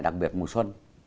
đặc biệt mùa xuân